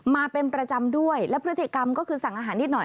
มาเป็นประจำด้วยและพฤติกรรมก็คือสั่งอาหารนิดหน่อย